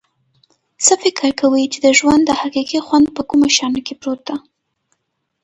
څه فکر کویچې د ژوند حقیقي خوند په کومو شیانو کې پروت ده